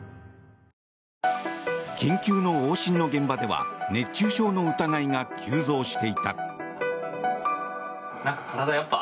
緊急の往診の現場では熱中症の疑いが急増していた。